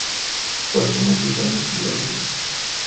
Pasó muchos años en Brasil.